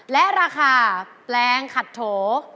และราคาแปลงขัดโถ